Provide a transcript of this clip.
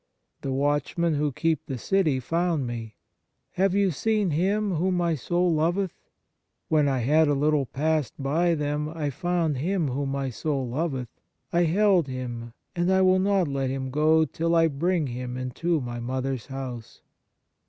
The watchmen, who keep the city, found me : Have you seen Him whom my soul loveth ? When I had a little passed by them, I found Him whom my soul loveth ; I held Him : and I will not let Him go till I bring Him into my mother's house.